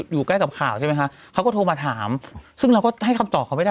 อยู่ใกล้กับข่าวใช่ไหมคะเขาก็โทรมาถามซึ่งเราก็ให้คำตอบเขาไม่ได้